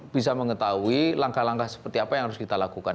bisa mengetahui langkah langkah seperti apa yang harus kita lakukan